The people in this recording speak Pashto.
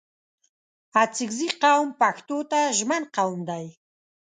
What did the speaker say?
اڅګزي قوم پښتو ته ژمن قوم دی